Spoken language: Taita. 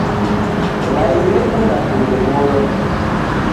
W'ai w'ekunda kulowolwa